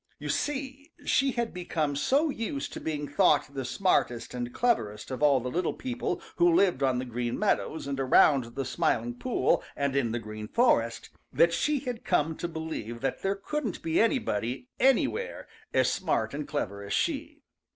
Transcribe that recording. You see, she had become so used to being thought the smartest and cleverest of all the little people who lived on the Green Meadows and around the Smiling Pool and in the Green Forest, that she had come to believe that there couldn't be anybody anywhere as smart and clever as she.